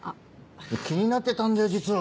気になってたんだよ実は。